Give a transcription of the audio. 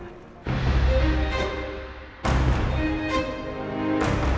tante frozen bisa bantu jawab